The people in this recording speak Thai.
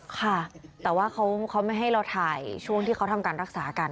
ค่ะแต่ว่าเขาไม่ให้เราถ่ายช่วงที่เขาทำการรักษากัน